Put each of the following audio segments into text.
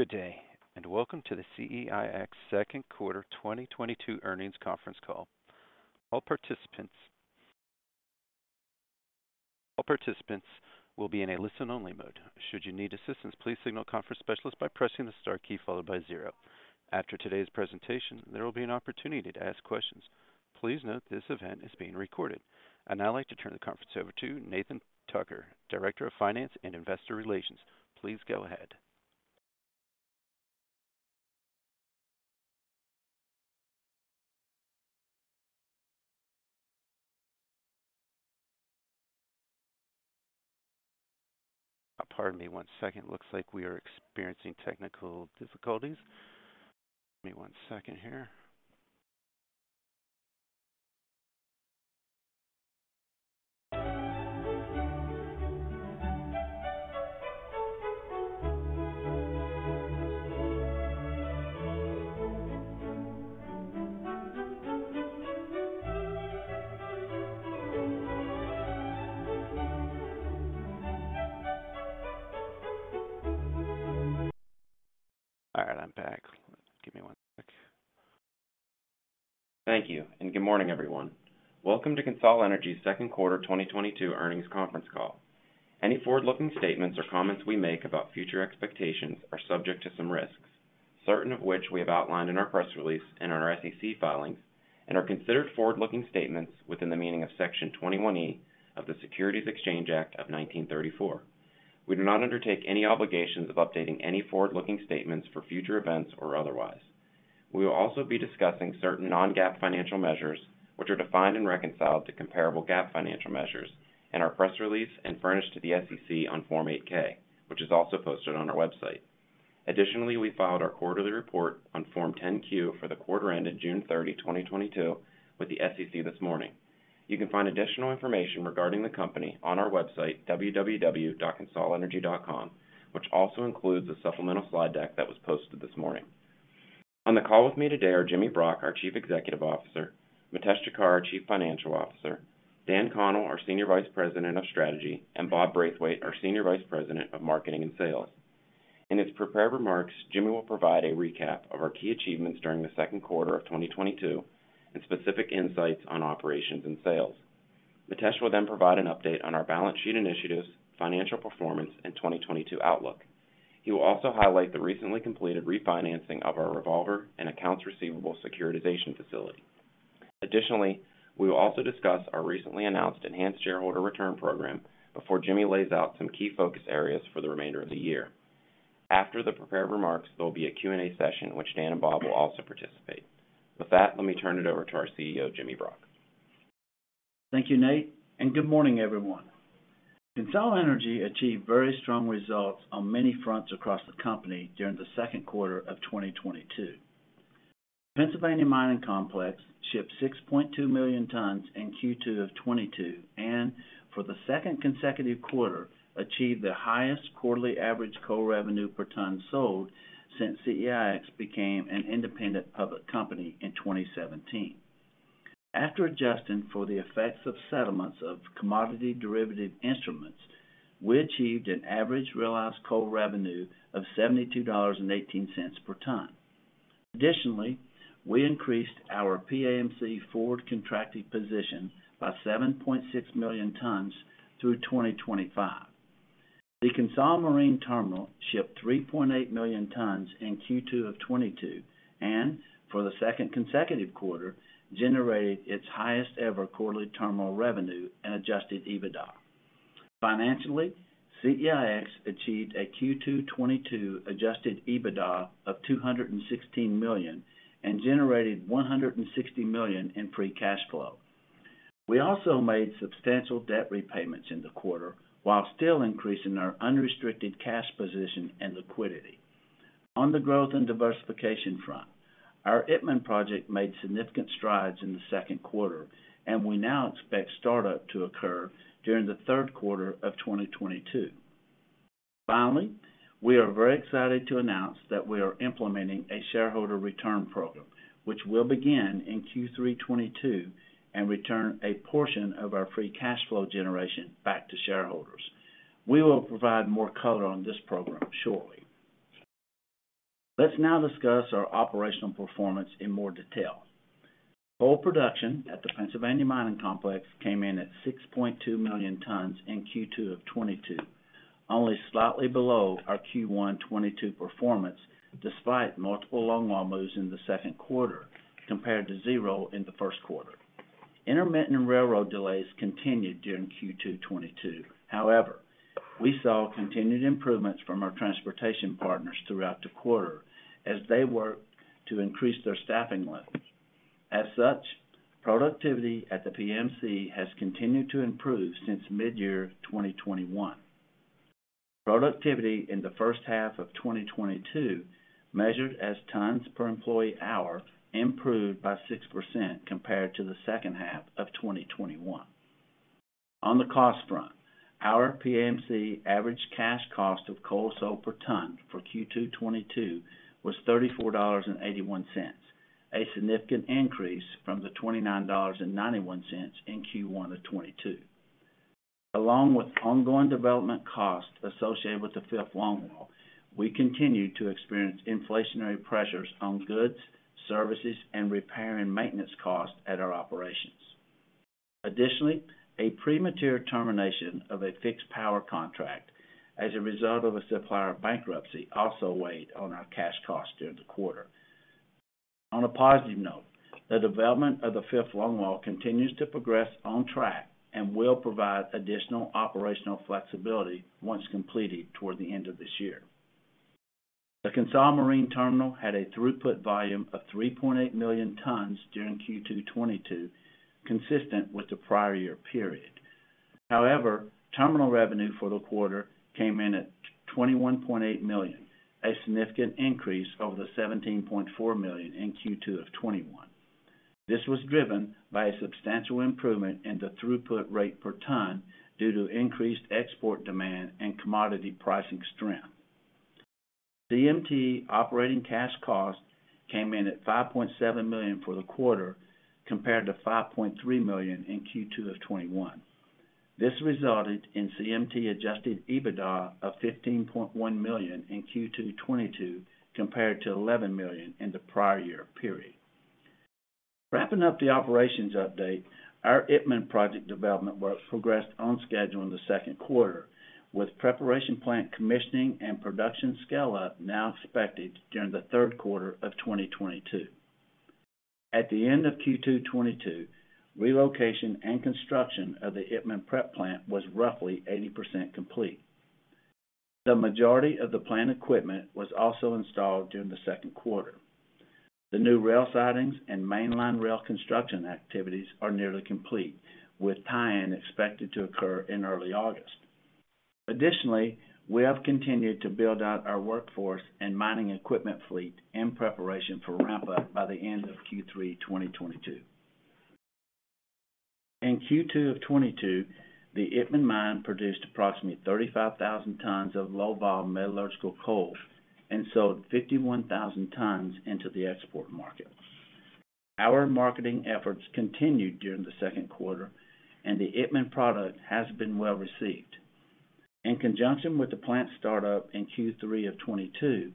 Good day, and welcome to the CEIX Second Quarter 2022 Earnings Conference Call. All participants will be in a listen only mode. Should you need assistance, please signal a conference specialist by pressing the star key followed by zero. After today's presentation, there will be an opportunity to ask questions. Please note this event is being recorded. I'd now like to turn the conference over to Nathan Tucker, Director of Finance and Investor Relations. Please go ahead. Pardon me one second. Looks like we are experiencing technical difficulties. Give me one second here. All right, I'm back. Give me one sec. Thank you and good morning, everyone. Welcome to CONSOL Energy's Second Quarter 2022 Earnings Conference Call. Any forward-looking statements or comments we make about future expectations are subject to some risks, certain of which we have outlined in our press release and in our SEC filings and are considered forward-looking statements within the meaning of Section 21E of the Securities Exchange Act of 1934. We do not undertake any obligations of updating any forward-looking statements for future events or otherwise. We will also be discsing certain non-GAAP financial measures which are defined and reconciled to comparable GAAP financial measures in our press release and furnished to the SEC on Form 8-K, which is also posted on our website. Additionally, we filed our quarterly report on Form 10-Q for the quarter ended June 30, 2022 with the SEC this morning. You can find additional information regarding the company on our website, www.consolenergy.com, which also includes a supplemental slide deck that was posted this morning. On the call with me today are Jimmy Brock, our Chief Executive Officer, Mitesh Thakkar, our Chief Financial Officer, Dan Connell, our Senior Vice President of Strategy, and Bob Braithwaite, our Senior Vice President of Marketing and Sales. In its prepared remarks, Jimmy will provide a recap of our key achievements during the second quarter of 2022 and specific insights on operations and sales. Mitesh will then provide an update on our balance sheet initiatives, financial performance, and 2022 outlook. He will also highlight the recently completed refinancing of our revolver and accounts receivable securitization facility. Additionally, we will also discuss our recently announced enhanced shareholder return program before Jimmy lays out some key focus areas for the remainder of the year. After the prepared remarks, there will be a Q&A session in which Dan and Bob will also participate. With that, let me turn it over to our CEO, Jimmy Brock. Thank you, Nate, and good morning, everyone. CONSOL Energy achieved very strong results on many fronts across the company during the second quarter of 2022. Pennsylvania Mining Complex shipped 6.2 million tons in Q2 of 2022 and for the second consecutive quarter, achieved the highest quarterly average coal revenue per ton sold since CEIX became an independent public company in 2017. After adjusting for the effects of settlements of commodity derivative instruments, we achieved an average realized coal revenue of $72.18 per ton. Additionally, we increased our PAMC forward contracted position by 7.6 million tons through 2025. The CONSOL Marine Terminal shipped 3.8 million tons in Q2 of 2022 and for the second consecutive quarter, generated its highest ever quarterly terminal revenue and adjusted EBITDA. Financially, CEIX achieved a Q2 2022 Adjusted EBITDA of $216 million and generated $160 million in free cash flow. We also made substantial debt repayments in the quarter while still increasing our unrestricted cash position and liquidity. On the growth and diversification front, our Itmann project made significant strides in the second quarter, and we now expect startup to occur during the third quarter of 2022. Finally, we are very excited to announce that we are implementing a shareholder return program, which will begin in Q3 2022 and return a portion of our free cash flow generation back to shareholders. We will provide more color on this program shortly. Let's now discuss our operational performance in more detail. Coal production at the Pennsylvania Mining Complex came in at 6.2 million tons in Q2 of 2022, only slightly below our Q1 2022 performance, despite multiple longwall moves in the second quarter compared to zero in the first quarter. Intermittent railroad delays continued during Q2 2022. However, we saw continued improvements from our transportation partners throughout the quarter as they work to increase their staffing levels. As such, productivity at the PAMC has continued to improve since mid-year 2021. Productivity in the first half of 2022, measured as tons per employee hour, improved by 6% compared to the second half of 2021. On the cost front, our PAMC average cash cost of coal sold per ton for Q2 2022 was $34.81, a significant increase from the $29.91 in Q1 2022. Along with ongoing development costs associated with the fifth longwall, we continue to experience inflationary pressures on goods, services, and repair and maintenance costs at our operations. Additionally, a premature termination of a fixed power contract as a result of a supplier bankruptcy also weighed on our cash costs during the quarter. On a positive note, the development of the fifth longwall continues to progress on track and will provide additional operational flexibility once completed toward the end of this year. The CONSOL Marine Terminal had a throughput volume of 3.8 million tons during Q2 2022, consistent with the prior year period. However, terminal revenue for the quarter came in at $21.8 million, a significant increase over the $17.4 million in Q2 of 2021. This was driven by a substantial improvement in the throughput rate per ton due to increased export demand and commodity pricing strength. CMT operating cash costs came in at $5.7 million for the quarter, compared to $5.3 million in Q2 of 2021. This resulted in CMT Adjusted EBITDA of $15.1 million in Q2 2022 compared to $11 million in the prior year period. Wrapping up the operations update, our Itmann project development work progressed on schedule in the second quarter, with preparation plant commissioning and production scale-up now expected during the third quarter of 2022. At the end of Q2 2022, relocation and construction of the Itmann prep plant was roughly 80% complete. The majority of the plant equipment was also installed during the second quarter. The new rail sidings and mainline rail construction activities are nearly complete, with tie-in expected to occur in early August. Additionally, we have continued to build out our workforce and mining equipment fleet in preparation for ramp up by the end of Q3 2022. In Q2 2022, the Itmann mine produced approximately 35,000 tons of low-volatile metallurgical coal and sold 51,000 tons into the export market. Our marketing efforts continued during the second quarter, and the Itmann product has been well-received. In conjunction with the plant start-up in Q3 2022,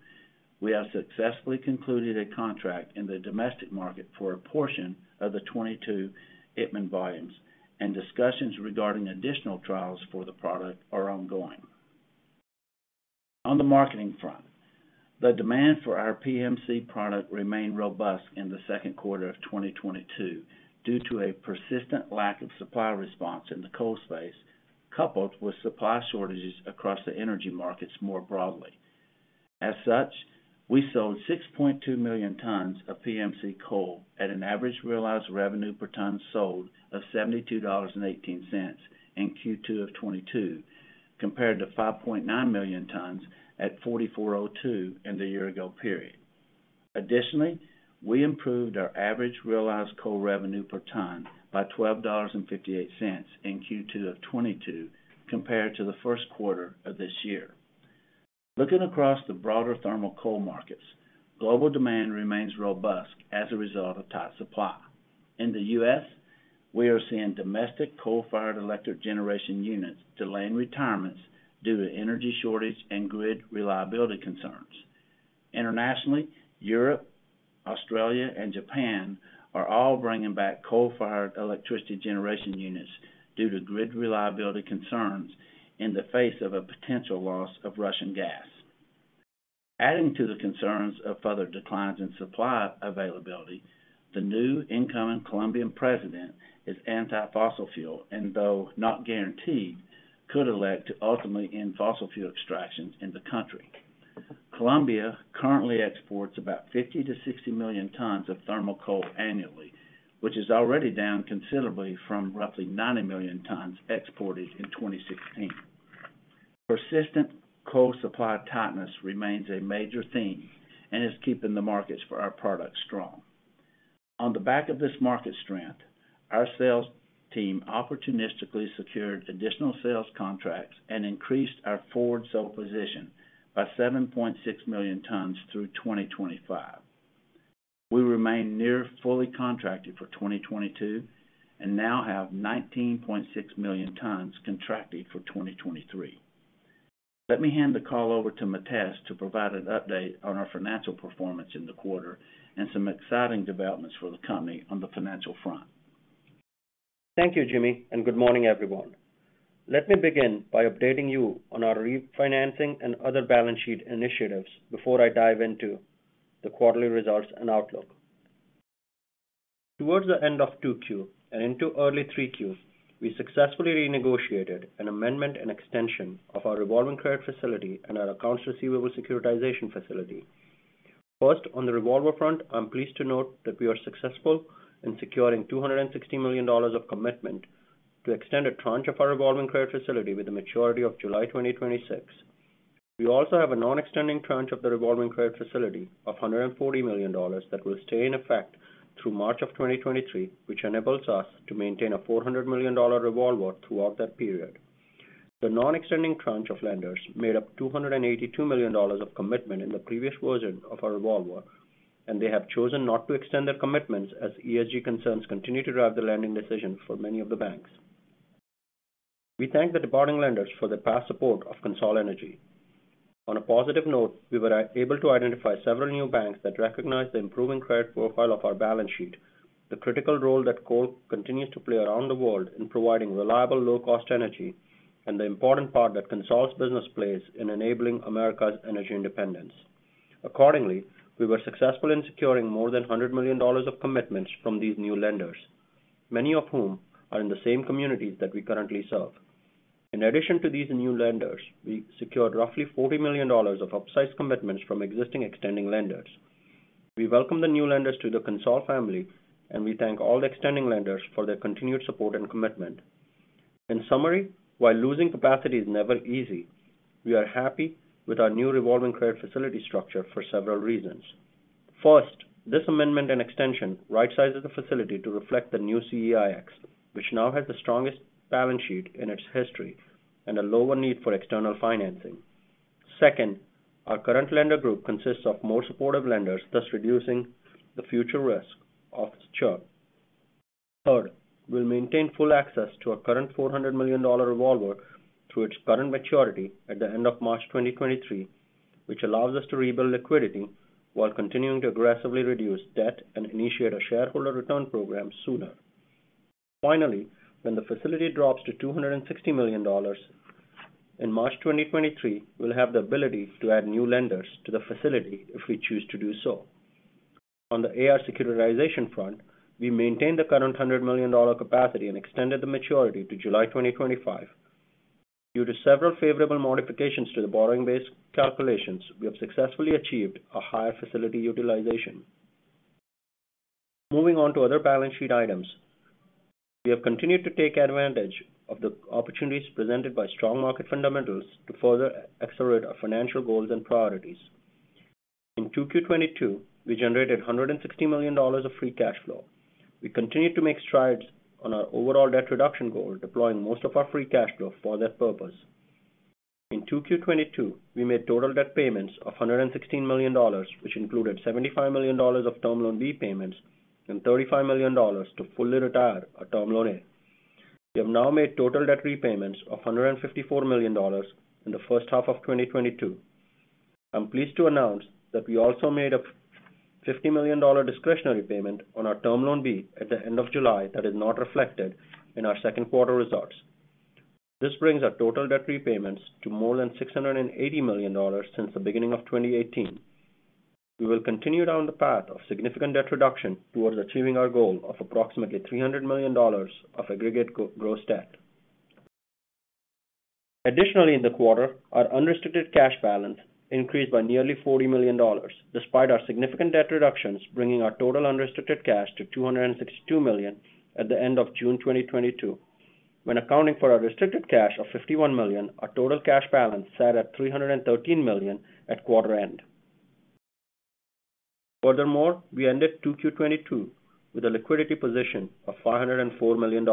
we have successfully concluded a contract in the domestic market for a portion of the 2022 Itmann volumes, and discussions regarding additional trials for the product are ongoing. On the marketing front, the demand for our PAMC product remained robust in the second quarter of 2022 due to a persistent lack of supply response in the coal space, coupled with supply shortages across the energy markets more broadly. As such, we sold 6.2 million tons of PAMC coal at an average realized revenue per ton sold of $72.18 in Q2 of 2022, compared to 5.9 million tons at $44.02 in the year-ago period. Additionally, we improved our average realized coal revenue per ton by $12.58 in Q2 of 2022 compared to the first quarter of this year. Looking across the broader thermal coal markets, global demand remains robust as a result of tight supply. In the U.S., we are seeing domestic coal-fired electric generation units delaying retirements due to energy shortage and grid reliability concerns. Internationally, Europe, Australia, and Japan are all bringing back coal-fired electricity generation units due to grid reliability concerns in the face of a potential loss of Russian gas. Adding to the concerns of further declines in supply availability, the new incoming Colombian president is anti-fossil fuel, and though not guaranteed, could elect to ultimately end fossil fuel extractions in the country. Colombia currently exports about 50-60 million tons of thermal coal annually, which is already down considerably from roughly 90 million tons exported in 2016. Persistent coal supply tightness remains a major theme and is keeping the markets for our products strong. On the back of this market strength, our sales team opportunistically secured additional sales contracts and increased our forward sold position by 7.6 million tons through 2025. We remain near fully contracted for 2022 and now have 19.6 million tons contracted for 2023. Let me hand the call over to Mitesh to provide an update on our financial performance in the quarter and some exciting developments for the company on the financial front. Thank you, Jimmy, and good morning, everyone. Let me begin by updating you on our refinancing and other balance sheet initiatives before I dive into the quarterly results and outlook. Towards the end of 2Q and into early 3Q, we successfully renegotiated an amendment and extension of our revolving credit facility and our accounts receivable securitization facility. First, on the revolver front, I'm pleased to note that we are successful in securing $260 million of commitment to extend a tranche of our revolving credit facility with a maturity of July 2026. We also have a non-extending tranche of the revolving credit facility of $140 million that will stay in effect through March 2023, which enables us to maintain a $400 million revolver throughout that period. The non-extending tranche of lenders made up $282 million of commitment in the previous version of our revolver, and they have chosen not to extend their commitments as ESG concerns continue to drive the lending decision for many of the banks. We thank the departing lenders for their past support of CONSOL Energy. On a positive note, we were able to identify several new banks that recognize the improving credit profile of our balance sheet, the critical role that coal continues to play around the world in providing reliable, low cost energy, and the important part that CONSOL's business plays in enabling America's energy independence. Accordingly, we were successful in securing more than $100 million of commitments from these new lenders, many of whom are in the same communities that we currently serve. In addition to these new lenders, we secured roughly $40 million of upsized commitments from existing extending lenders. We welcome the new lenders to the CONSOL family, and we thank all the extending lenders for their continued support and commitment. In summary, while losing capacity is never easy, we are happy with our new revolving credit facility structure for several reasons. First, this amendment and extension right-sizes the facility to reflect the new CEIX, which now has the strongest balance sheet in its history and a lower need for external financing. Second, our current lender group consists of more supportive lenders, thus reducing the future risk of churn. Third, we'll maintain full access to our current $400 million revolver through its current maturity at the end of March 2023, which allows us to rebuild liquidity while continuing to aggressively reduce debt and initiate a shareholder return program sooner. Finally, when the facility drops to $260 million in March 2023, we'll have the ability to add new lenders to the facility if we choose to do so. On the AR securitization front, we maintained the current $100 million capacity and extended the maturity to July 2025. Due to several favorable modifications to the borrowing base calculations, we have successfully achieved a higher facility utilization. Moving on to other balance sheet items. We have continued to take advantage of the opportunities presented by strong market fundamentals to further accelerate our financial goals and priorities. In 2Q 2022, we generated $160 million of free cash flow. We continued to make strides on our overall debt reduction goal, deploying most of our free cash flow for that purpose. In 2Q 2022, we made total debt payments of $116 million, which included $75 million of Term Loan B payments and $35 million to fully retire our Term Loan A. We have now made total debt repayments of $154 million in the first half of 2022. I'm pleased to announce that we also made a $50 million discretionary payment on our Term Loan B at the end of July that is not reflected in our second quarter results. This brings our total debt repayments to more than $680 million since the beginning of 2018. We will continue down the path of significant debt reduction towards achieving our goal of approximately $300 million of aggregate gross debt. Additionally, in the quarter, our unrestricted cash balance increased by nearly $40 million, despite our significant debt reductions, bringing our total unrestricted cash to $262 million at the end of June 2022. When accounting for our restricted cash of $51 million, our total cash balance sat at $313 million at quarter end. Furthermore, we ended 2Q 2022 with a liquidity position of $504 million.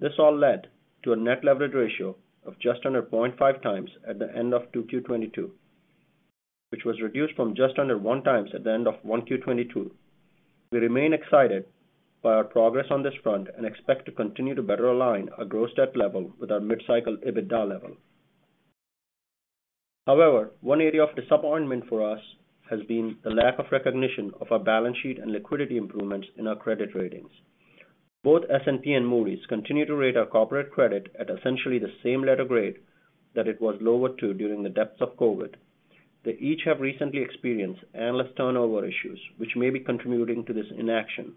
This all led to a net leverage ratio of just under 0.5x at the end of 2Q 2022, which was reduced from just under 1x at the end of 1Q 2022. We remain excited by our progress on this front and expect to continue to better align our gross debt level with our mid-cycle EBITDA level. However, one area of disappointment for us has been the lack of recognition of our balance sheet and liquidity improvements in our credit ratings. Both S&P and Moody's continue to rate our corporate credit at essentially the same letter grade that it was lowered to during the depths of COVID. They each have recently experienced analyst turnover issues, which may be contributing to this inaction.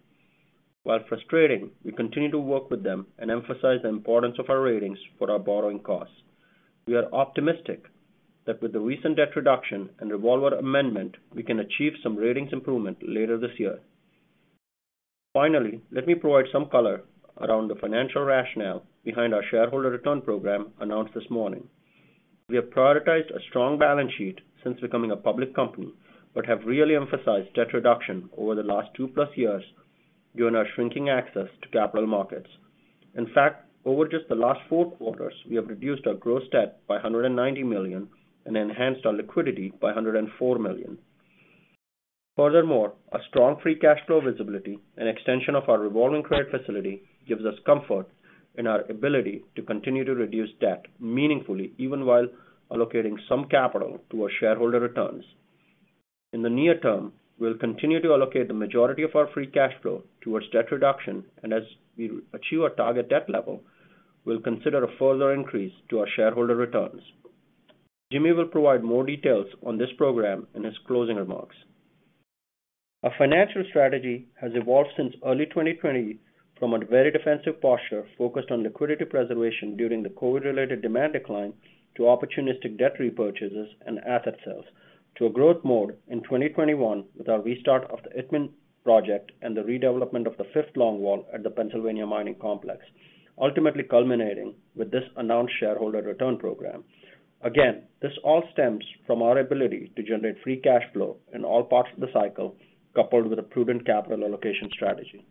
While frustrating, we continue to work with them and emphasize the importance of our ratings for our borrowing costs. We are optimistic that with the recent debt reduction and revolver amendment, we can achieve some ratings improvement later this year. Finally, let me provide some color around the financial rationale behind our shareholder return program announced this morning. We have prioritized a strong balance sheet since becoming a public company, but have really emphasized debt reduction over the last two-plus years during our shrinking access to capital markets. In fact, over just the last four quarters, we have reduced our gross debt by $190 million and enhanced our liquidity by $104 million. Furthermore, our strong free cash flow visibility and extension of our revolving credit facility gives us comfort in our ability to continue to reduce debt meaningfully, even while allocating some capital to our shareholder returns. In the near term, we'll continue to allocate the majority of our free cash flow towards debt reduction, and as we achieve our target debt level, we'll consider a further increase to our shareholder returns. Jimmy will provide more details on this program in his closing remarks. Our financial strategy has evolved since early 2020 from a very defensive posture focused on liquidity preservation during the COVID-related demand decline to opportunistic debt repurchases and asset sales to a growth mode in 2021 with our restart of the Itmann project and the redevelopment of the fifth longwall at the Pennsylvania Mining Complex, ultimately culminating with this announced shareholder return program. Again, this all stems from our ability to generate free cash flow in all parts of the cycle, coupled with a prudent capital allocation strategy.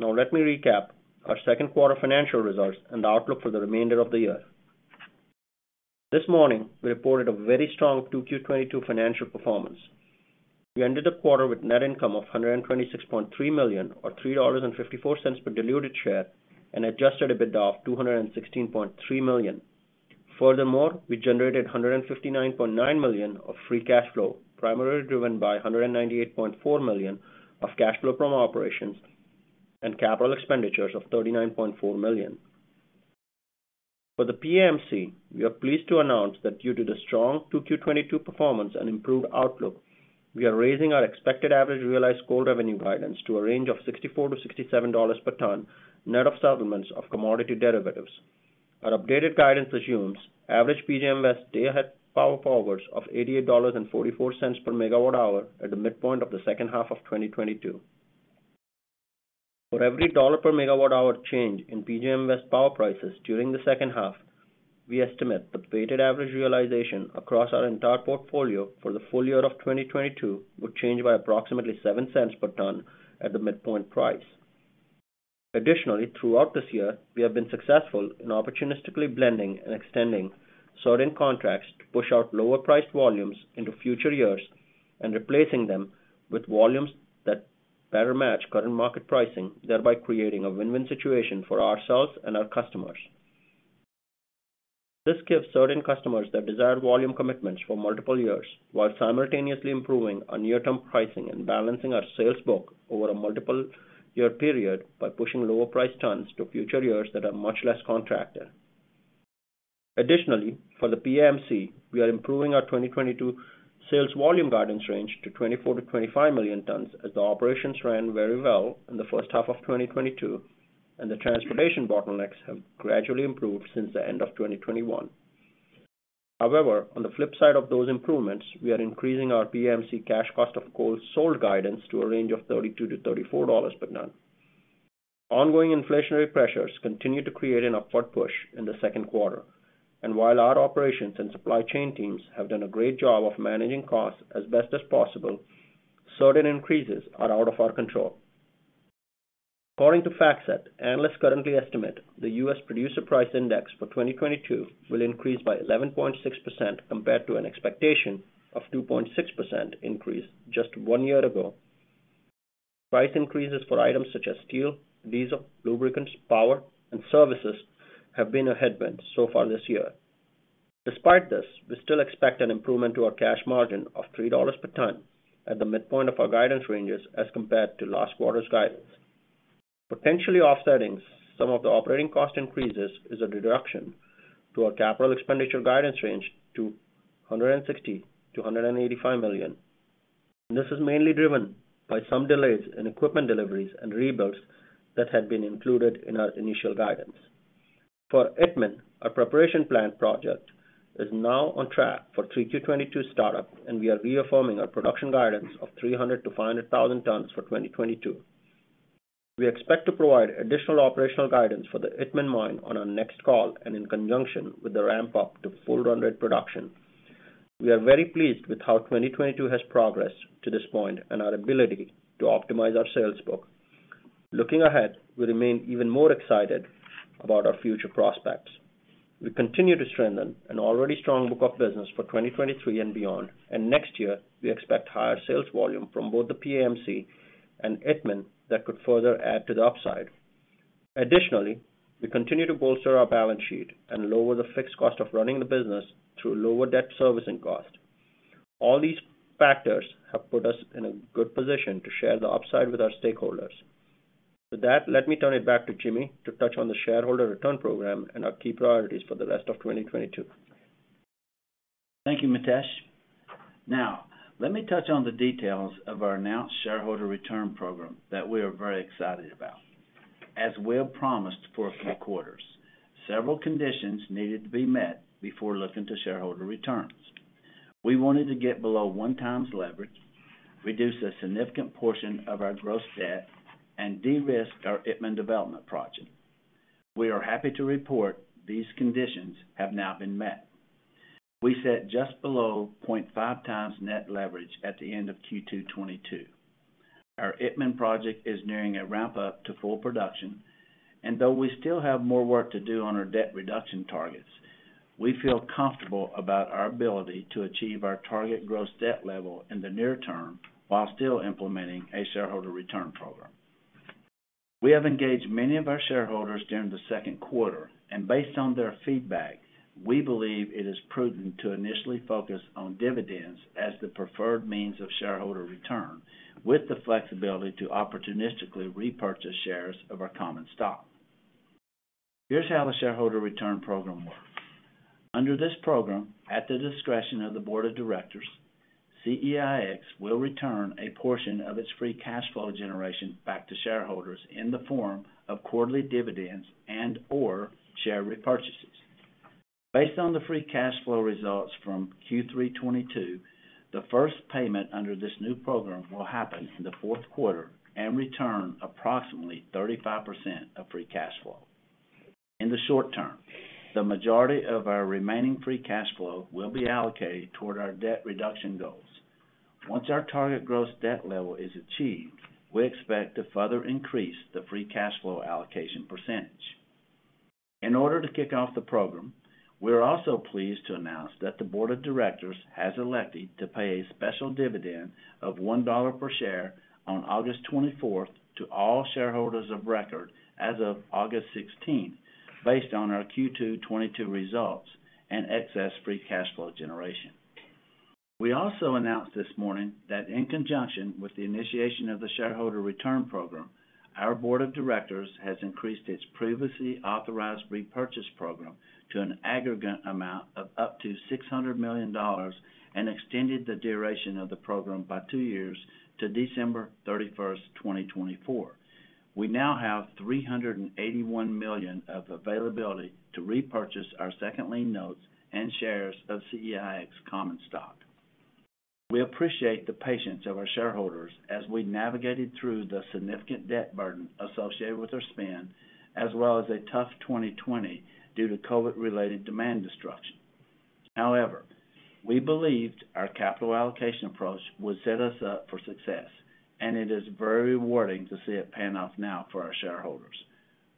Now let me recap our second quarter financial results and the outlook for the remainder of the year. This morning, we reported a very strong 2Q 2022 financial performance. We ended the quarter with net income of $126.3 million or $3.54 per diluted share and Adjusted EBITDA of $216.3 million. Furthermore, we generated $159.9 million of free cash flow, primarily driven by $198.4 million of cash flow from operations and capital expenditures of $39.4 million. For the PAMC, we are pleased to announce that due to the strong 2Q 2022 performance and improved outlook, we are raising our expected average realized coal revenue guidance to a range of $64-$67 per ton, net of settlements of commodity derivatives. Our updated guidance assumes average PJM's day-ahead power forwards of $88.44 per MWh at the midpoint of the second half of 2022. For every $1 per MWh change in PJM's power prices during the second half, we estimate the weighted average realization across our entire portfolio for the full year of 2022 will change by approximately $0.07 per ton at the midpoint price. Additionally, throughout this year, we have been successful in opportunistically blending and extending certain contracts to push out lower priced volumes into future years and replacing them with volumes that better match current market pricing, thereby creating a win-win situation for ourselves and our customers. This gives certain customers their desired volume commitments for multiple years while simultaneously improving our near-term pricing and balancing our sales book over a multiple year period by pushing lower priced tons to future years that are much less contracted. Additionally, for the PAMC, we are improving our 2022 sales volume guidance range to 24-25 million tons as the operations ran very well in the first half of 2022, and the transportation bottlenecks have gradually improved since the end of 2021. However, on the flip side of those improvements, we are increasing our PAMC cash cost of coal sold guidance to a range of $32-$34 per ton. Ongoing inflationary pressures continue to create an upward push in the second quarter. While our operations and supply chain teams have done a great job of managing costs as best as possible, certain increases are out of our control. According to FactSet, analysts currently estimate the U.S. Producer Price Index for 2022 will increase by 11.6% compared to an expectation of 2.6% increase just one year ago. Price increases for items such as steel, diesel, lubricants, power, and services have been a headwind so far this year. Despite this, we still expect an improvement to our cash margin of $3 per ton at the midpoint of our guidance ranges as compared to last quarter's guidance. Potentially offsetting some of the operating cost increases is a reduction to our capital expenditure guidance range to $160 million-$185 million. This is mainly driven by some delays in equipment deliveries and rebuilds that had been included in our initial guidance. For Itmann, our preparation plant project is now on track for 3Q 2022 startup, and we are reaffirming our production guidance of 300,000-500,000 tons for 2022. We expect to provide additional operational guidance for the Itmann mine on our next call and in conjunction with the ramp up to full run rate production. We are very pleased with how 2022 has progressed to this point and our ability to optimize our sales book. Looking ahead, we remain even more excited about our future prospects. We continue to strengthen an already strong book of business for 2023 and beyond, and next year we expect higher sales volume from both the PAMC and Itmann that could further add to the upside. Additionally, we continue to bolster our balance sheet and lower the fixed cost of running the business through lower debt servicing cost. All these factors have put us in a good position to share the upside with our stakeholders. With that, let me turn it back to Jimmy to touch on the shareholder return program and our key priorities for the rest of 2022. Thank you, Mitesh. Now, let me touch on the details of our announced shareholder return program that we are very excited about. As Will promised for a few quarters, several conditions needed to be met before looking to shareholder returns. We wanted to get below 1x leverage, reduce a significant portion of our gross debt, and de-risk our Itmann development project. We are happy to report these conditions have now been met. We set just below 0.5x net leverage at the end of Q2 2022. Our Itmann project is nearing a ramp up to full production, and though we still have more work to do on our debt reduction targets, we feel comfortable about our ability to achieve our target gross debt level in the near term while still implementing a shareholder return program. We have engaged many of our shareholders during the second quarter, and based on their feedback, we believe it is prudent to initially focus on dividends as the preferred means of shareholder return, with the flexibility to opportunistically repurchase shares of our common stock. Here's how the shareholder return program works. Under this program, at the discretion of the board of directors, CEIX will return a portion of its free cash flow generation back to shareholders in the form of quarterly dividends and/or share repurchases. Based on the free cash flow results from Q3 2022, the first payment under this new program will happen in the fourth quarter and return approximately 35% of free cash flow. In the short term, the majority of our remaining free cash flow will be allocated toward our debt reduction goals. Once our target gross debt level is achieved, we expect to further increase the free cash flow allocation percentage. In order to kick off the program, we are also pleased to announce that the board of directors has elected to pay a special dividend of $1 per share on August 24th to all shareholders of record as of August 16th, based on our Q2 2022 results and excess free cash flow generation. We also announced this morning that in conjunction with the initiation of the shareholder return program, our board of directors has increased its previously authorized repurchase program to an aggregate amount of up to $600 million and extended the duration of the program by two years to December 31st, 2024. We now have $381 million of availability to repurchase our second lien notes and shares of CEIX common stock. We appreciate the patience of our shareholders as we navigated through the significant debt burden associated with our spend, as well as a tough 2020 due to COVID-related demand destruction. However, we believed our capital allocation approach would set us up for success, and it is very rewarding to see it pan out now for our shareholders.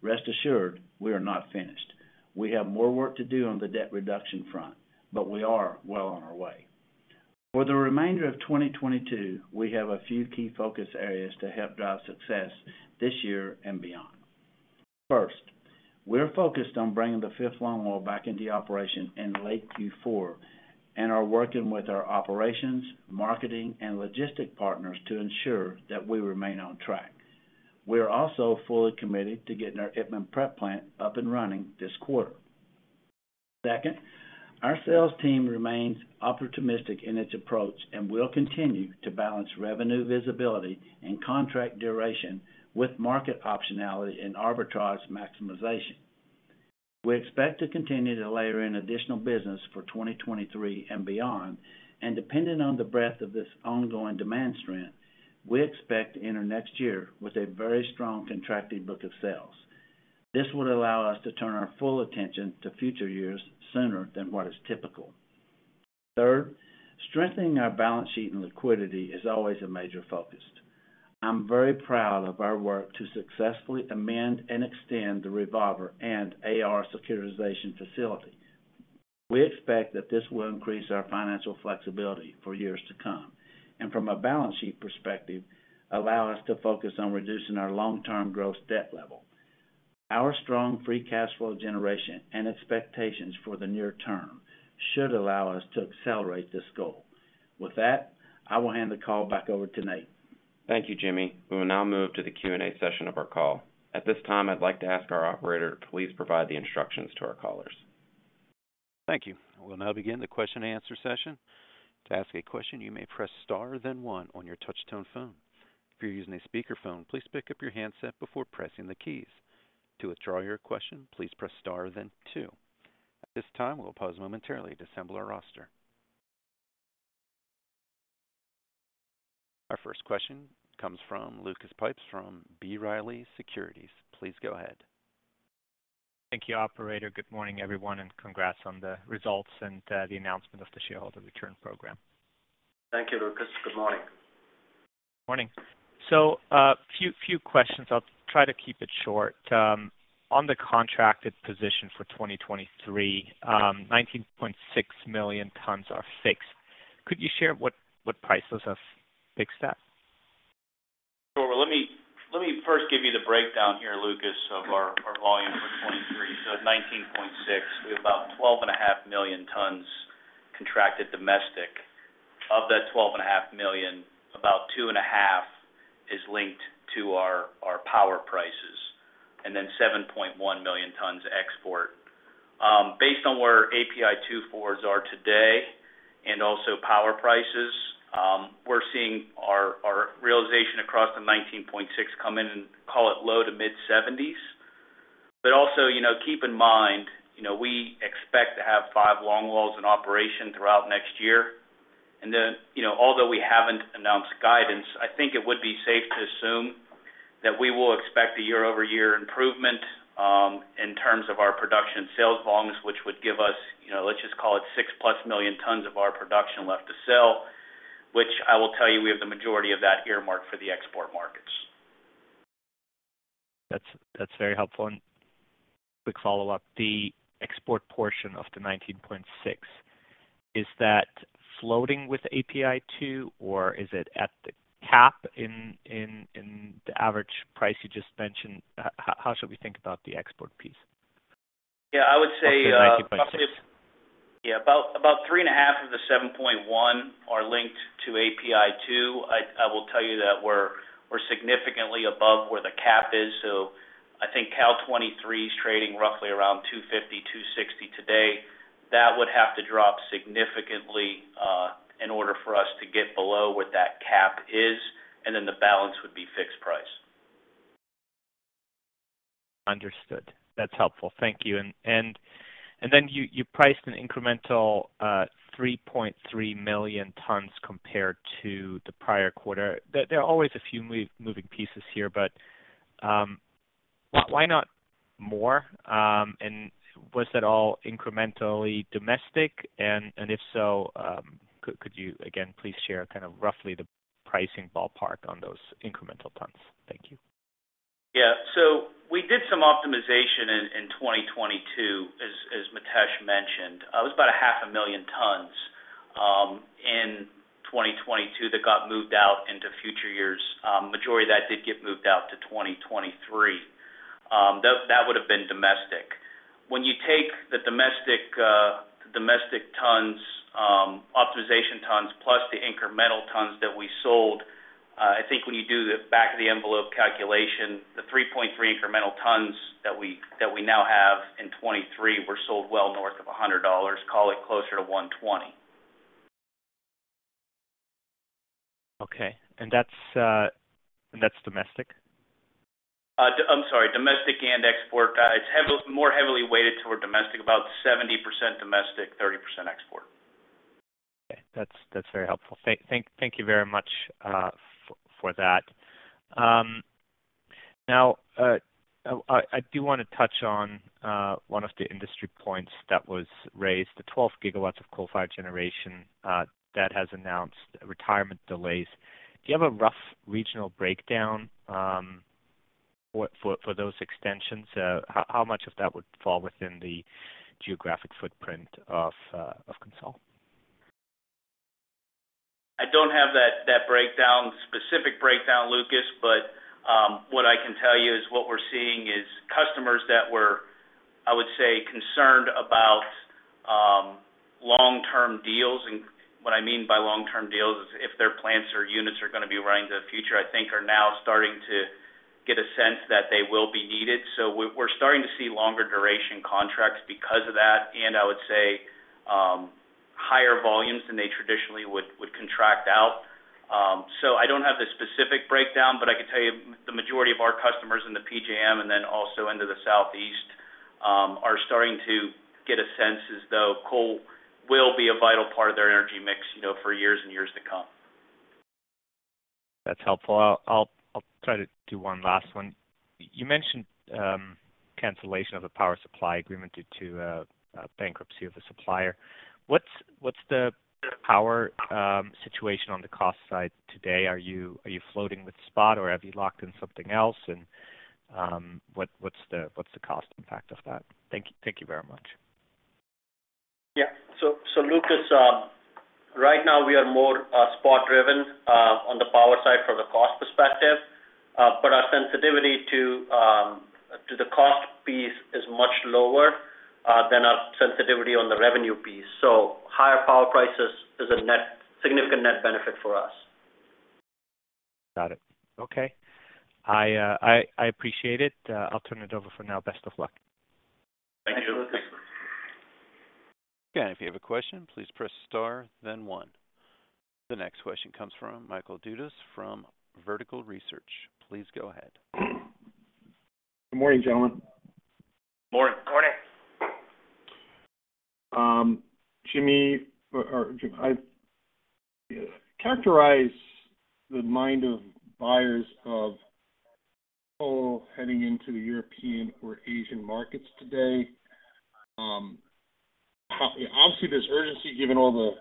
Rest assured, we are not finished. We have more work to do on the debt reduction front, but we are well on our way. For the remainder of 2022, we have a few key focus areas to help drive success this year and beyond. First, we're focused on bringing the fifth longwall back into operation in late Q4 and are working with our operations, marketing, and logistic partners to ensure that we remain on track. We are also fully committed to getting our Itmann prep plant up and running this quarter. Second, our sales team remains opportunistic in its approach and will continue to balance revenue visibility and contract duration with market optionality and arbitrage maximization. We expect to continue to layer in additional business for 2023 and beyond, and depending on the breadth of this ongoing demand strength, we expect to enter next year with a very strong contracted book of sales. This would allow us to turn our full attention to future years sooner than what is typical. Third, strengthening our balance sheet and liquidity is always a major focus. I'm very proud of our work to successfully amend and extend the revolver and AR securitization facility. We expect that this will increase our financial flexibility for years to come and, from a balance sheet perspective, allow us to focus on reducing our long-term gross debt level. Our strong free cash flow generation and expectations for the near term should allow us to accelerate this goal. With that, I will hand the call back over to Nate. Thank you, Jimmy. We will now move to the Q&A session of our call. At this time, I'd like to ask our operator to please provide the instructions to our callers. Thank you. We'll now begin the question-and-answer session. To ask a question, you may press star then one on your touch tone phone. If you're using a speakerphone, please pick up your handset before pressing the keys. To withdraw your question, please press star then two. At this time, we'll pause momentarily to assemble our roster. Our first question comes from Lucas Pipes from B. Riley Securities. Please go ahead. Thank you, operator. Good morning, everyone, and congrats on the results and the announcement of the shareholder return program. Thank you, Lucas. Good morning. Morning. Few questions. I'll try to keep it short. On the contracted position for 2023, 19.6 million tons are fixed. Could you share what price those are fixed at? Sure. Let me first give you the breakdown here, Lucas, of our volume for 2023. At 19.6, we have about 12.5 million tons contracted domestic. Of that 12.5 million, about 2.5 is linked to our power prices, and then 7.1 million tons export. Based on where API 2 forwards are today and also power prices, we're seeing our realization across the 19.6 come in and call it low-to-mid $70s. Also, you know, keep in mind, you know, we expect to have five longwalls in operation throughout next year. You know, although we haven't announced guidance, I think it would be safe to assume that we will expect a year-over-year improvement in terms of our production sales volumes, which would give us, you know, let's just call it 6+ million tons of our production left to sell, which I will tell you we have the majority of that earmarked for the export markets. That's very helpful. Quick follow-up. The export portion of the 19.6, is that floating with API 2, or is it at the cap in the average price you just mentioned? How should we think about the export piece? Yeah. I would say, Of the 19.6. Yeah, about 3.5 of the 7.1 are linked to API 2. I will tell you that we're significantly above where the cap is. I think Cal 2023 is trading roughly around $250-$260 today. That would have to drop significantly in order for us to get below what that cap is, and then the balance would be fixed price. Understood. That's helpful. Thank you. Then you priced an incremental 3.3 million tons compared to the prior quarter. There are always a few moving pieces here, but why not more? Was that all incrementally domestic? If so, could you again please share kind of roughly the pricing ballpark on those incremental tons? Thank you. Yeah. We did some optimization in 2022 as Mitesh mentioned. It was about 500,000 tons in 2022 that got moved out into future years. Majority of that did get moved out to 2023. That would have been domestic. When you take the domestic tons, optimization tons plus the incremental tons that we sold, I think when you do the back of the envelope calculation, the 3.3 incremental tons that we now have in 2023 were sold well north of $100, call it closer to $120. Okay. That's domestic? I'm sorry, domestic and export. It's more heavily weighted toward domestic, about 70% domestic, 30% export. Okay. That's very helpful. Thank you very much for that. Now, I do wanna touch on one of the industry points that was raised, the 12 GW of coal-fired generation that has announced retirement delays. Do you have a rough regional breakdown for those extensions? How much of that would fall within the geographic footprint of CONSOL? I don't have that specific breakdown, Lucas, but what I can tell you is what we're seeing is customers that were, I would say, concerned about long-term deals. What I mean by long-term deals is if their plants or units are gonna be running into the future, I think are now starting to get a sense that they will be needed. We're starting to see longer duration contracts because of that, and I would say higher volumes than they traditionally would contract out. I don't have the specific breakdown, but I can tell you the majority of our customers in the PJM and then also into the southeast are starting to get a sense as though coal will be a vital part of their energy mix, you know, for years and years to come. That's helpful. I'll try to do one last one. You mentioned cancellation of a power supply agreement due to a bankruptcy of a supplier. What's the power situation on the cost side today? Are you floating with spot or have you locked in something else? What's the cost impact of that? Thank you. Thank you very much. Lucas, right now we are more spot driven on the power side from a cost perspective. But our sensitivity to the cost piece is much lower than our sensitivity on the revenue piece. Higher power prices is a significant net benefit for us. Got it. Okay. I appreciate it. I'll turn it over for now. Best of luck. Thank you. Thank you. Okay. If you have a question, please press star then one. The next question comes from Michael Dudas from Vertical Research. Please go ahead. Good morning, gentlemen. Morning. Morning. Jimmy, characterize the mind of buyers of coal heading into the European or Asian markets today. Obviously, there's urgency given all the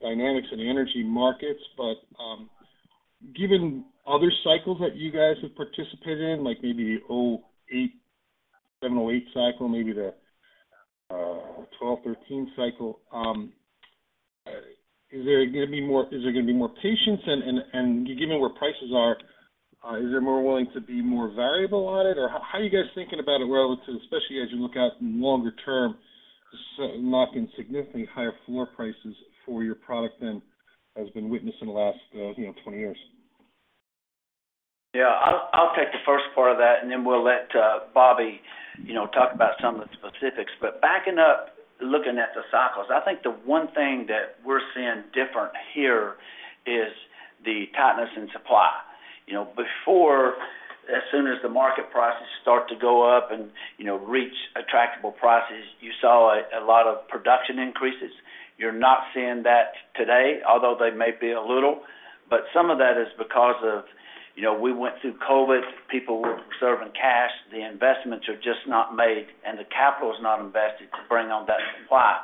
dynamics in the energy markets. Given other cycles that you guys have participated in, like maybe 2008 cycle, maybe the 2012-2013 cycle, is there gonna be more patience? Given where prices are, is there more willingness to be more variable on it? How are you guys thinking about it relatively, especially as you look out longer term to lock in significantly higher floor prices for your product than has been witnessed in the last, you know, 20 years? Yeah. I'll take the first part of that, and then we'll let Bob, you know, talk about some of the specifics. Backing up, looking at the cycles, I think the one thing that we're seeing different here is the tightness in supply. You know, before, as soon as the market prices start to go up and, you know, reach attractable prices, you saw a lot of production increases. You're not seeing that today, although they may be a little. Some of that is because of, you know, we went through COVID. People were conserving cash. The investments are just not made, and the capital is not invested to bring on that supply.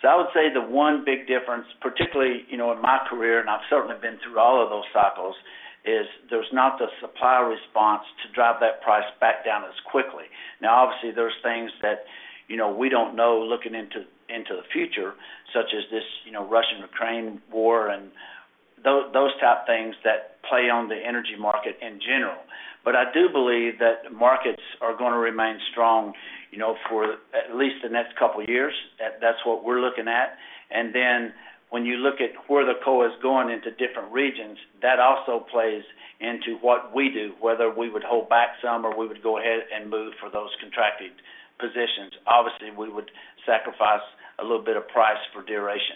I would say the one big difference, particularly, you know, in my career, and I've certainly been through all of those cycles, is there's not the supply response to drive that price back down as quickly. Now obviously there's things that, you know, we don't know looking into the future, such as this, you know, Russian-Ukraine war and those type things that play on the energy market in general. But I do believe that markets are gonna remain strong, you know, for at least the next couple of years. That's what we're looking at. When you look at where the coal is going into different regions, that also plays into what we do, whether we would hold back some or we would go ahead and move for those contracted positions. Obviously, we would sacrifice a little bit of price for duration.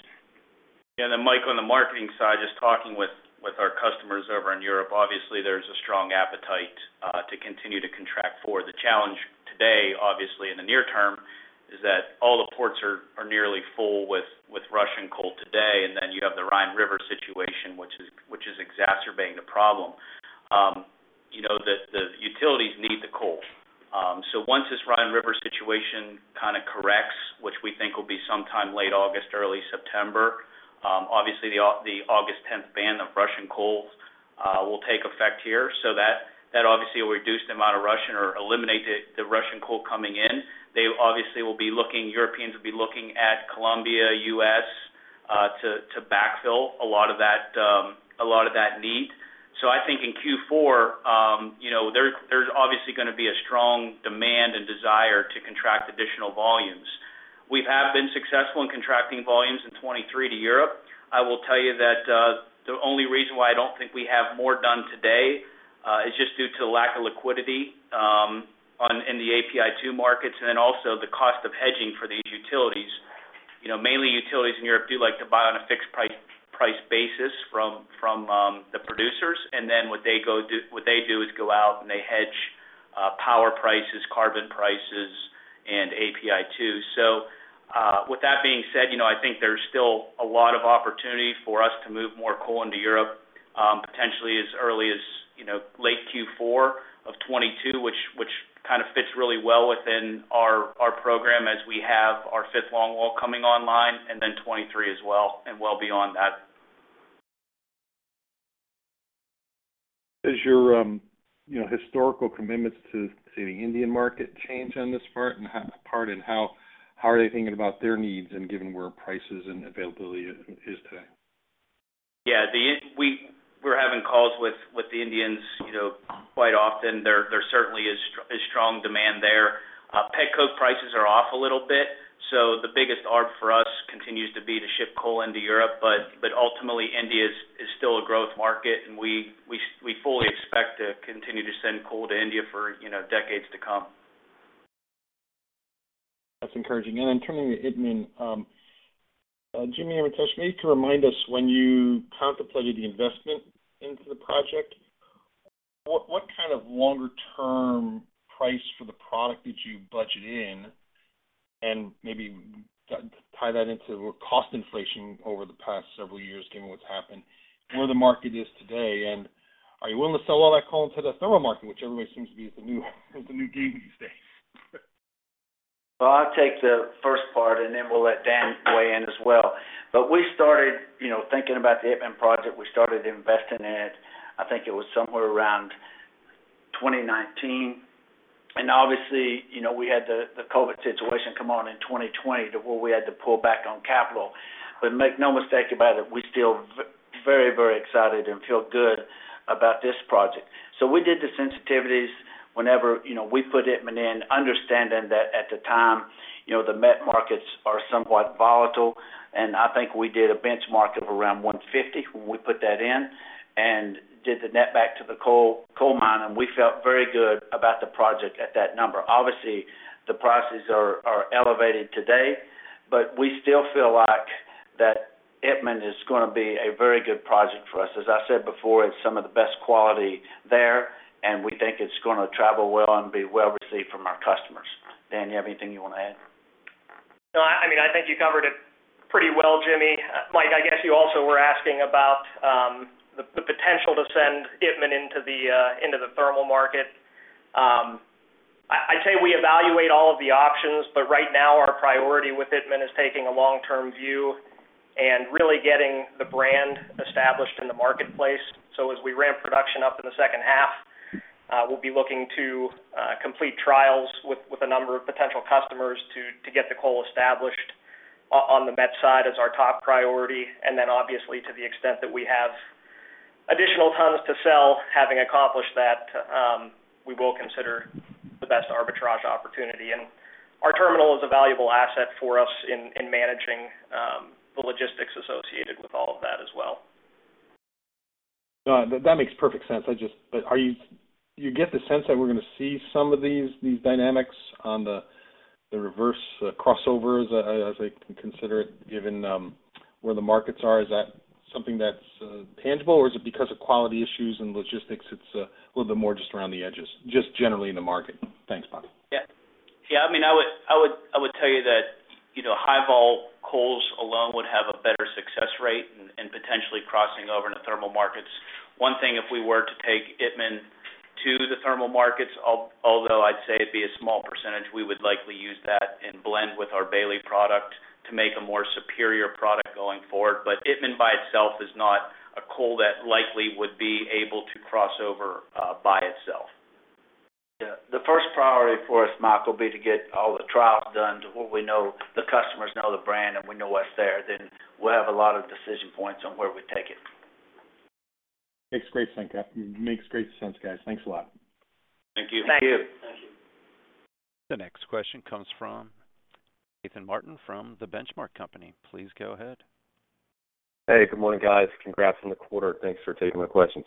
Yeah. Then Mike, on the marketing side, just talking with our customers over in Europe, obviously there's a strong appetite to continue to contract forward. The challenge today, obviously in the near term, is that all the ports are nearly full with Russian coal today. You have the Rhine River situation, which is exacerbating the problem. You know, the utilities need the coal. Once this Rhine River situation kind of corrects, which we think will be sometime late August, early September, obviously the August tenth ban of Russian coal will take effect here. That obviously will reduce the amount of Russian or eliminate the Russian coal coming in. Europeans will be looking at Colombia, U.S., to backfill a lot of that need. I think in Q4, you know, there's obviously gonna be a strong demand and desire to contract additional volumes. We have been successful in contracting volumes in 2023 to Europe. I will tell you that, the only reason why I don't think we have more done today, is just due to lack of liquidity, in the API2 markets, and then also the cost of hedging for these utilities. You know, mainly utilities in Europe do like to buy on a fixed price basis from, the producers. What they do is go out and they hedge, power prices, carbon prices, and API2. with that being said, you know, I think there's still a lot of opportunity for us to move more coal into Europe, potentially as early as, you know, late Q4 of 2022, which kind of fits really well within our program as we have our fifth longwall coming online, and then 2023 as well and well beyond that. Does your, you know, historical commitments to, say, the Indian market change on this part? How are they thinking about their needs and given where prices and availability is today? Yeah. We're having calls with the Indians, you know, quite often. There certainly is strong demand there. Petcoke prices are off a little bit, so the biggest arb for us continues to be to ship coal into Europe. Ultimately, India is still a growth market, and we fully expect to continue to send coal to India for, you know, decades to come. That's encouraging. Then turning to Itmann, Jimmy or Mitesh, maybe to remind us when you contemplated the investment into the project, what kind of longer-term price for the product did you budget in? Maybe tie that into cost inflation over the past several years, given what's happened and where the market is today. Are you willing to sell all that coal into the thermal market, which everybody seems to be the new game these days? Well, I'll take the first part, and then we'll let Dan weigh in as well. We started, you know, thinking about the Itmann project. We started investing in it, I think it was somewhere around 2019. Obviously, you know, we had the COVID situation come on in 2020 to where we had to pull back on capital. Make no mistake about it, we're still very excited and feel good about this project. We did the sensitivities whenever, you know, we put Itmann in, understanding that at the time, you know, the met markets are somewhat volatile. I think we did a benchmark of around $150 when we put that in and did the net back to the coal mine, and we felt very good about the project at that number. Obviously, the prices are elevated today, but we still feel like that Itmann is gonna be a very good project for us. As I said before, it's some of the best quality there, and we think it's gonna travel well and be well received from our customers. Dan, you have anything you wanna add? No, I mean, I think you covered it pretty well, Jimmy. Michael, I guess you also were asking about the potential to send Itmann into the thermal market. I'd say we evaluate all of the options, but right now our priority with Itmann is taking a long-term view and really getting the brand established in the marketplace. As we ramp production up in the second half, we'll be looking to complete trials with a number of potential customers to get the coal established on the met side as our top priority. Obviously to the extent that we have additional tons to sell, having accomplished that, we will consider the best arbitrage opportunity. Our terminal is a valuable asset for us in managing the logistics associated with all of that as well. No, that makes perfect sense. Do you get the sense that we're gonna see some of these dynamics on the reverse crossovers as I can consider it, given where the markets are? Is that something that's tangible, or is it because of quality issues and logistics, it's a little bit more just around the edges, just generally in the market? Thanks, Bob. Yeah. Yeah, I mean, I would tell you that, you know, high vol coals alone would have a better success rate in potentially crossing over into thermal markets. One thing if we were to take Itmann to the thermal markets, although I'd say it'd be a small percentage, we would likely use that and blend with our Bailey product to make a more superior product going forward. But Itmann by itself is not a coal that likely would be able to cross over by itself. Yeah. The first priority for us, Mike, will be to get all the trials done to where we know the customers know the brand and we know what's there. We'll have a lot of decision points on where we take it. Makes great sense, guys. Makes great sense, guys. Thanks a lot. Thank you. Thank you. Thank you. Thank you. The next question comes from Nathan Martin from The Benchmark Company. Please go ahead. Hey, good morning, guys. Congrats on the quarter, and thanks for taking my questions.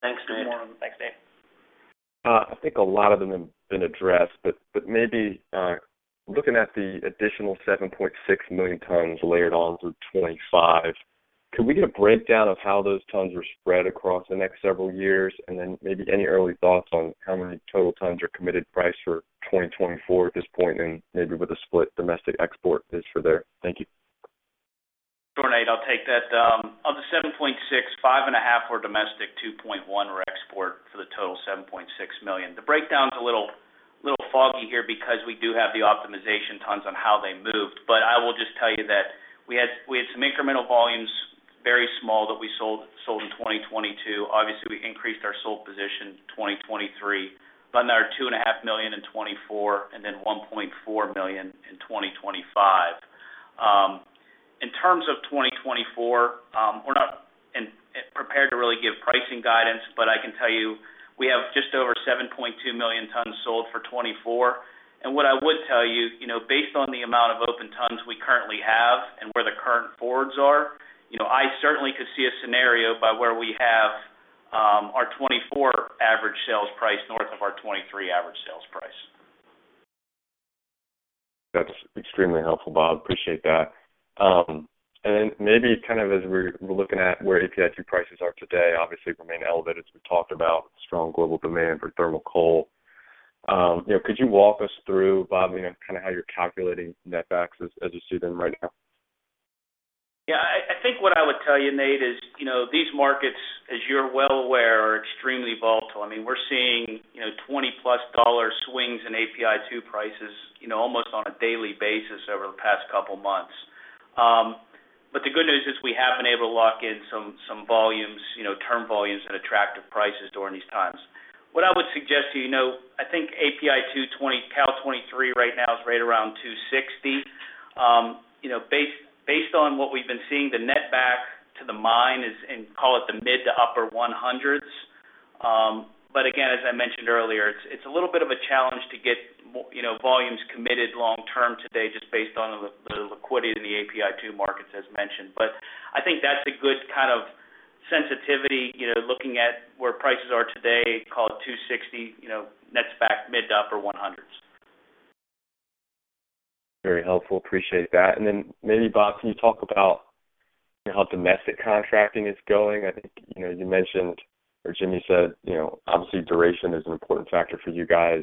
Thanks, Nate. Good morning. Thanks, Nate. I think a lot of them have been addressed, but maybe, looking at the additional 7.6 million tons layered on through 25, can we get a breakdown of how those tons are spread across the next several years? Then maybe any early thoughts on how many total tons are committed, priced for 2024 at this point, and maybe with a split domestic/export for there? Thank you. Sure, Nate, I'll take that. Of the 7.6, 5.5 were domestic, 2.1 were export for the total 7.6 million. The breakdown's a little foggy here because we do have the optimization tons on how they moved. I will just tell you that we had some incremental volumes, very small, that we sold in 2022. Obviously, we increased our sold position in 2023. Another 2.5 million in 2024, and then 1.4 million in 2025. In terms of 2024, we're not prepared to really give pricing guidance, but I can tell you, we have just over 7.2 million tons sold for 2024. What I would tell you know, based on the amount of open tons we currently have and where the current forwards are, you know, I certainly could see a scenario by where we have our 2024 average sales price north of our 2023 average sales price. That's extremely helpful, Bob. Appreciate that. Maybe kind of as we're looking at where API2 prices are today, obviously remain elevated as we talked about strong global demand for thermal coal. You know, could you walk us through, Bob, you know, kind of how you're calculating net backs as you see them right now? Yeah, I think what I would tell you, Nate, is, you know, these markets, as you're well aware, are extremely volatile. I mean, we're seeing, you know, $20+ swings in API2 prices, you know, almost on a daily basis over the past couple months. But the good news is we have been able to lock in some volumes, you know, term volumes at attractive prices during these times. What I would suggest to you know, I think API2 for Cal 2023 right now is right around $260. You know, based on what we've been seeing, the net back to the mine is in, call it, the mid to upper $100s. Again, as I mentioned earlier, it's a little bit of a challenge to get volumes committed long-term today just based on the liquidity in the API2 markets as mentioned. I think that's a good kind of sensitivity, you know, looking at where prices are today, call it $260, you know, nets back mid to upper $100s. Very helpful. Appreciate that. Then maybe, Bob, can you talk about, you know, how domestic contracting is going? I think, you know, you mentioned or Jimmy said, you know, obviously duration is an important factor for you guys.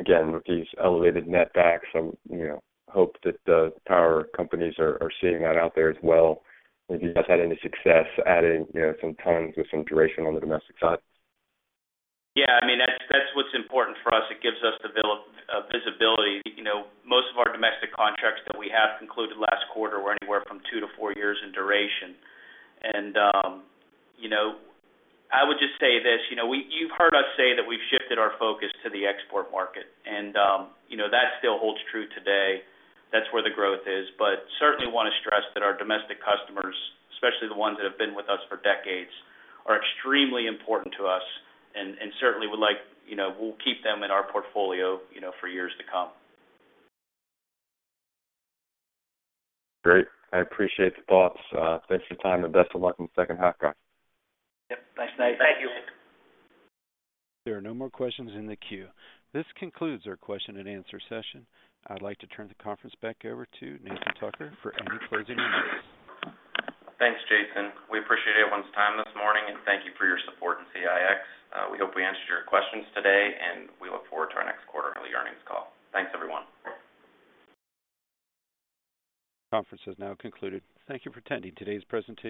Again, with these elevated net backs, you know, hope that the power companies are seeing that out there as well. Have you guys had any success adding, you know, some tons with some duration on the domestic side? Yeah, I mean, that's what's important for us. It gives us visibility. You know, most of our domestic contracts that we have concluded last quarter were anywhere from two to four years in duration. You know, I would just say this, you know, you've heard us say that we've shifted our focus to the export market and, you know, that still holds true today. That's where the growth is. Certainly wanna stress that our domestic customers, especially the ones that have been with us for decades, are extremely important to us and certainly would like, you know, we'll keep them in our portfolio, you know, for years to come. Great. I appreciate the thoughts. Thanks for your time, and best of luck in the second half, guys. Yep. Thanks, Nate. Thank you. There are no more questions in the queue. This concludes our question and answer session. I'd like to turn the conference back over to Nathan Tucker for any closing remarks. Thanks, Jason. We appreciate everyone's time this morning, and thank you for your support in CEIX. We hope we answered your questions today, and we look forward to our next quarter early earnings call. Thanks, everyone. Conference has now concluded. Thank you for attending today's presentation.